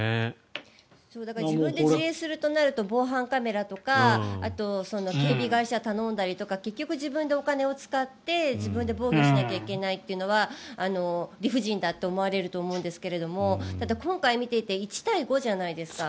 だから自分で自衛するとなると防犯カメラとかあと、警備会社に頼んだりとか結局自分でお金を使って自分で防御しなきゃいけないっていうのは理不尽だと思われると思うんですけどもただ、今回見ていて１対５じゃないですか。